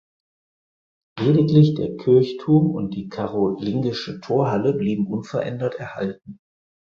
Lediglich der Kirchturm und die karolingische Torhalle blieben unverändert erhalten.